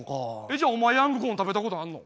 じゃあお前ヤングコーン食べたことあんの？